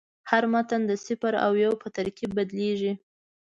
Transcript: هر متن د صفر او یو په ترکیب بدلېږي.